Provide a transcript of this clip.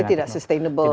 jadi tidak sustainable ya